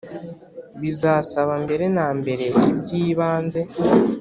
Bizasaba mbere na mbere ibyibanze